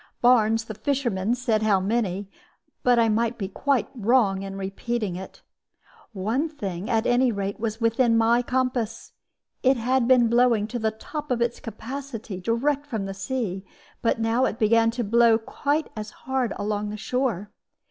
Barnes, the fisherman, said how many; but I might be quite wrong in repeating it. One thing, at any rate, was within my compass it had been blowing to the top of its capacity, direct from the sea, but now it began to blow quite as hard along the shore.